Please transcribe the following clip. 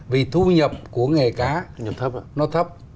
vì thu nhập của nghề cá nó thấp